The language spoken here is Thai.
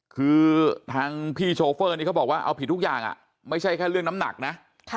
คือทางพี่โชเฟอร์นี่เขาบอกว่าเอาผิดทุกอย่างไม่ใช่แค่เรื่องน้ำหนักนะ